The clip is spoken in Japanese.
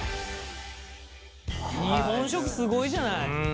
日本食すごいじゃない。